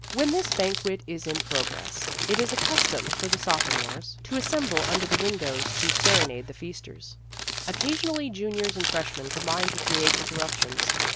When this banquet is in pro gress, it is a custom for the sophomores 20 Vassar Studies to assemble under the windows to sere nade the feasters. Occasionally juniors and freshmen combine to create inter ruptions.